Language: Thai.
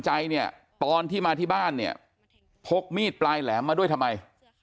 ใจเนี่ยตอนที่มาที่บ้านเนี่ยพกมีดปลายแหลมมาด้วยทำไม